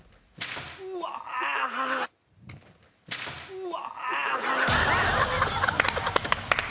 うわ！